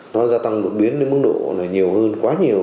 nó gia tăng đột biến đến mức độ là nhiều hơn quá nhiều